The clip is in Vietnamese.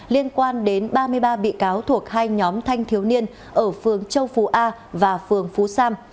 liên quan đến ba mươi ba bị cáo thuộc hai nhóm thanh thiếu niên ở phường châu phú a và phường phú sam